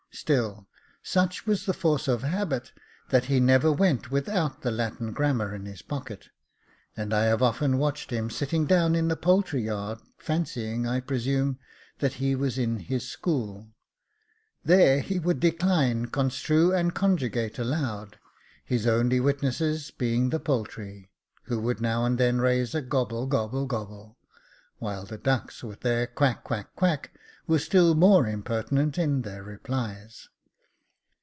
Still, such was the force of habit, that he never went without the Latin grammar in his pocket, and I have often watched him sitting down in the poultry yard, fancying, I presume, that he was in his school. There would he decline, construe, and conjugate aloud, his only witnesses being the poultry, who would now and then raise a gobble, gobble, gobble, while the ducks with their quackf quacky quack, were still more impertinent in their replies.